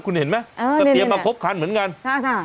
คุณเห็นไหมเออนี่มาพบคันเหมือนกันอ่าอ่า